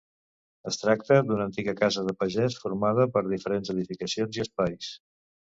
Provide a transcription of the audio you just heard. Es tracta d'una antiga casa de pagès formada per diferents edificacions i espais.